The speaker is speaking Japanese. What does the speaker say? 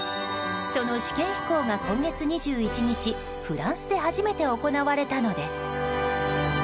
その試験飛行が、今月２１日フランスで初めて行われたのです。